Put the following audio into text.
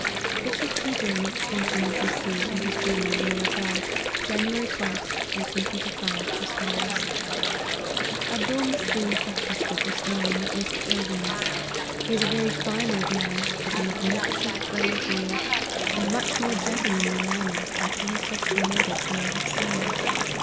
'" Bishop Heber makes mention of Messeeh, in 238 APPENDIX. his Journal, near Agra, January 12th, 1825, as follows :" Abdool Messeeh breakfasted this morning at Mr. Irving' s ; he is a very fine old man, with a magnificent grey beard, and much more gentlemanly manners, than any Christian native whom I have seen.